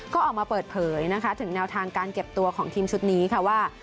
ก็ออกมาเปิดเผยนะคะถึงแนวทางการเก็บตัวของทีมชุดนี้ค่ะว่า